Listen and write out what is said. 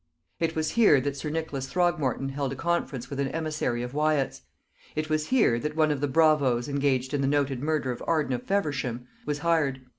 It was here that sir Nicholas Throgmorton held a conference with an emissary of Wyat's; it was here that one of the bravoes engaged in the noted murder of Arden of Feversham was hired.